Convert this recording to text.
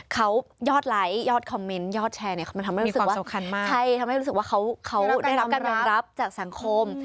เขายอดไลค์ยอดคอมเมนต์ยอดแชร์มันทำให้รู้สึกว่าเขาได้รับการรับจากสังคม